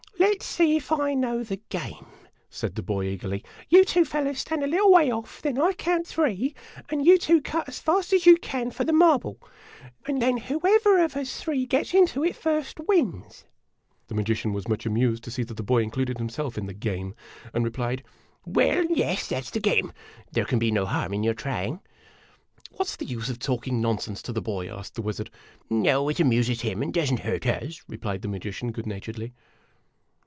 " Let 's see if I know the game," said the boy, eagerly. " You two fellows stand a little way off, then I count three, and you two cut as fast as you can for the marble ; and then whoever of us three gets into it first wins ?" 48 IMAGINOTIONS The magician was much amused to see that the boy included himself in the "game," and replied: "Well, yes; that 's the game. There can be no harm in your trying." "What 's the use of talking nonsense to the boy?" asked the wizard. " Oh, it amuses him and does n't hurt us," replied the magician, good natureclly.